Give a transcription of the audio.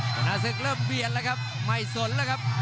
ชนะศึกเริ่มเบียดแล้วครับไม่สนแล้วครับ